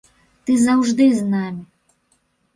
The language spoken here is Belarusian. Ты заўжды з намі.